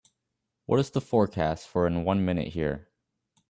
What is the forecast for in one minute here